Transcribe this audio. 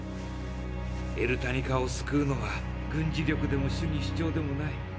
エルタニカを救うのは軍事力でも主義主張でもない。